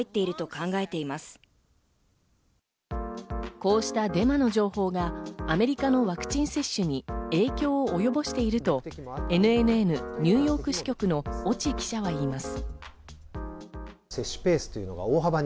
こうしたデマの情報がアメリカのワクチン接種に影響をおよぼしているとＮＮＮニューヨーク支局の越智記者は言います。